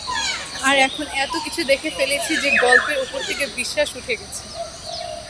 আর এখন এতো কিছু দেখি ফেলেছি যে গল্পের উপর থেকে বিশ্বাস উঠে গেছে।